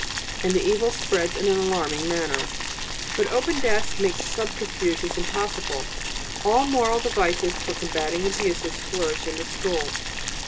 And the evil spreads in an alarming manner. "But open desks make subterfuges impossible. All moral devices for combating abuses flourish in the school.